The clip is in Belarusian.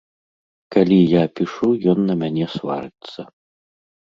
Калі я пішу, ён на мяне сварыцца.